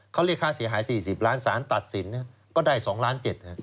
เขาเรียกค่าเสียหาย๔๐ล้านสารตัดสินก็ได้๒ล้าน๗